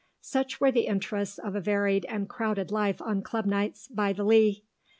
Such were the interests of a varied and crowded life on club nights by the Lea.